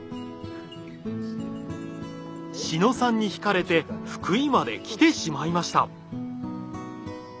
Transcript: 志野さんに惹かれて福井まで来てしまいました。